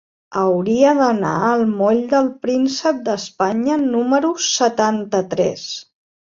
Hauria d'anar al moll del Príncep d'Espanya número setanta-tres.